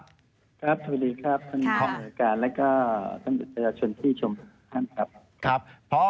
สวัสดีครับท่านผู้หน่วยการและท่านประชาชนที่ชมท่านครับ